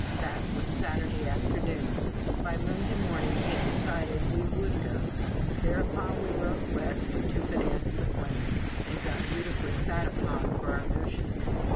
That was Saturday afternoon. By Monday morning we had decided we would go! Thereupon we wrote West to finance the plan, and got beautifully sat upon for our "notions."